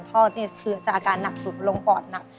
พ่อจริงคืออาการหนักสุดลงปอดหนัก